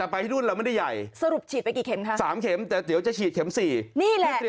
พวกเรามันไม่มี